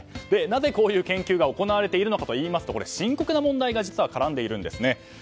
なぜこういう研究が行われているのかというと深刻な問題が実は絡んでいるんです。